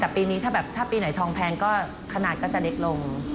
แต่ปีนี้ถ้าแบบถ้าปีไหนทองแพงก็ขนาดก็จะเล็กลง